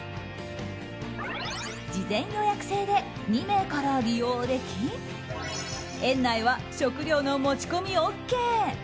事前予約制で２名から利用でき園内は食料の持ち込みＯＫ。